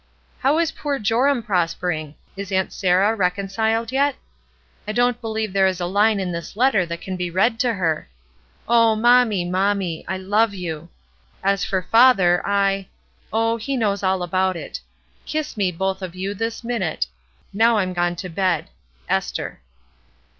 How is poor Joram prospering? Is Aunt Sarah recon ciled yet ? I don^t believe there is a line in this letter that can be read to her! Oh, mommy, mommy ! I love you ! As for father, I — oh, he knows all about it. Kiss me, both of you, this minute. Now I'm gone to bed. "Ester."